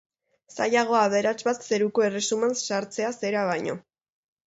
Zailagoa aberats bat zeruko erresuman sartzea zera baino.